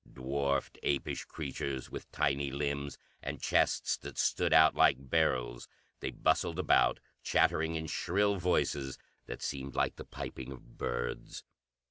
Dwarfed, apish creature, with tiny limbs, and chests that stood out like barrels, they bustled about, chattering in shrill voices that seemed like the piping of birds.